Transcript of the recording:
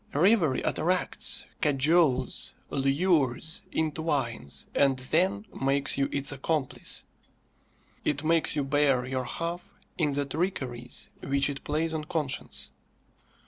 Reverie attracts, cajoles, lures, entwines, and then makes you its accomplice. It makes you bear your half in the trickeries which it plays on conscience.